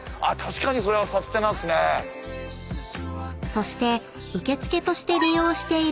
［そして受付として利用している